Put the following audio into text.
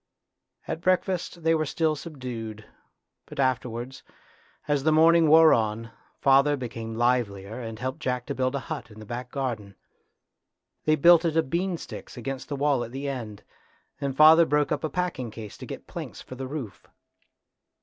At breakfast they were still subdued, but afterwards, as the morning wore on, father became livelier and helped Jack to build a hut in the back garden. They built it of bean sticks against the wall at the end, and father broke up a packing case to get planks for the roof.